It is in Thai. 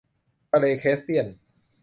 ทะเลแคสเปียน